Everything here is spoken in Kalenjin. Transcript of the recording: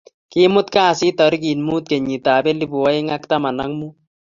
Kimut kasit tarikit mut kenyit ab elipu aeng ak taman ak mut